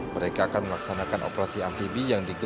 mereka akan melaksanakan operasi amfibi yang digelar